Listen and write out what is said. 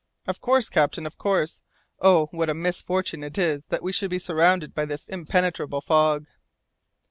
"Of course, captain, of course. Oh! what a misfortune it is that we should be surrounded by this impenetrable fog!"